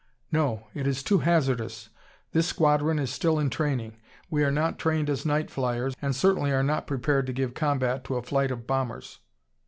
"No! It is too hazardous. This squadron is still in training. We are not trained as night flyers, and certainly are not prepared to give combat to a flight of bombers."